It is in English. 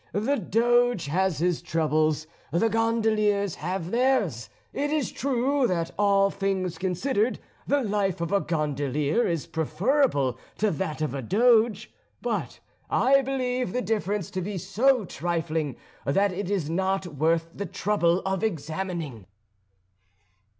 The Doge has his troubles, the gondoliers have theirs. It is true that, all things considered, the life of a gondolier is preferable to that of a Doge; but I believe the difference to be so trifling that it is not worth the trouble of examining."